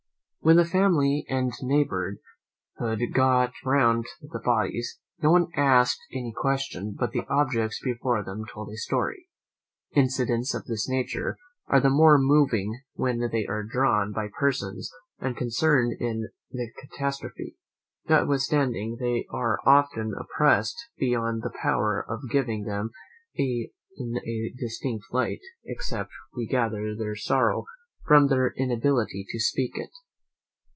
When the family and neighbourhood got together round the bodies, no one asked any question, but the objects before them told the story. Incidents of this nature are the more moving when they are drawn by persons concerned in the catastrophe, notwithstanding they are often oppressed beyond the power of giving them in a distinct light, except we gather their sorrow from their inability to speak it.